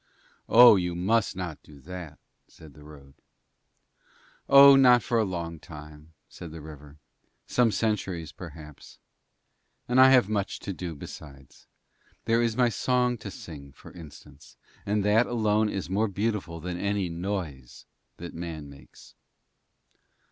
'Oh, you must not do that,' said the road. 'Oh, not for a long time,' said the river. 'Some centuries perhaps and I have much to do besides. There is my song to sing, for instance, and that alone is more beautiful than any noise that Man makes.'